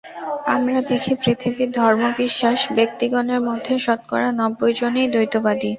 আমরা দেখি, পৃথিবীর ধর্মবিশ্বাসী ব্যক্তিগণের মধ্যে শতকরা নব্বই জনই দ্বৈতবাদী।